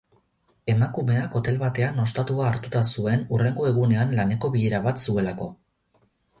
Emakumeak hotel batean ostatua hartuta zuen hurrengo egunean laneko bilera bat zuelako.